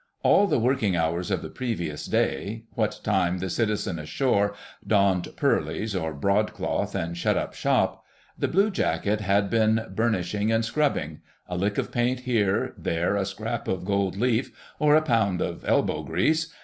All the working hours of the previous day—what time the citizen ashore donned "pearlies" or broadcloth and shut up shop—the blue jacket had been burnishing and scrubbing,—a lick of paint here, there a scrap of gold leaf or a pound of elbow grease.